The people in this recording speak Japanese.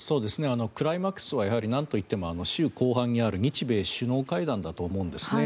クライマックスはやはりなんといっても週後半にある日米首脳会談だと思うんですね。